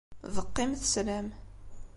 Beqqimt sslam.